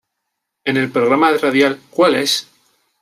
En el programa radial "Cual es?